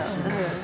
はい！